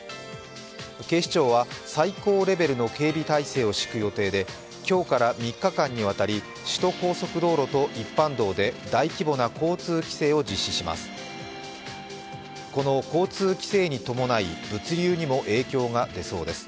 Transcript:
警視庁は最高レベルの警備態勢を敷く予定で、今日から３日間にわたり首都高速道路と一般道で大規模な交通規制を実施します。